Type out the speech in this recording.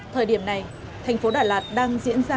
thời điểm này tp đà lạt đang diễn ra